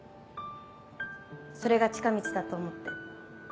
それが近道だと思って。